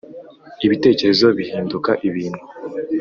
ibitekerezo bihinduka ibintu.